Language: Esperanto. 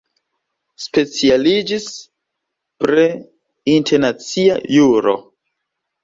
Specialiĝis pr internacia juro.